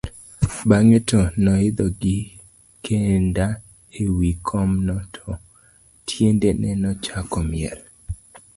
bang'e to noidho gi kinda e wi kom no, to tiendene nochako miel